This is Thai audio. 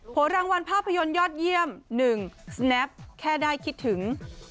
รางวัลภาพยนตร์ยอดเยี่ยม๑สแนปแค่ได้คิดถึง